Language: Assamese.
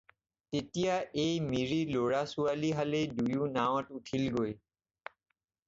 তেতিয়া এই মিৰি ল'ৰা-ছোৱালী হালেই দুয়ো নাৱত উঠিলগৈ।